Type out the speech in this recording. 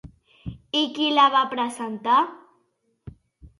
I qui la va presentar?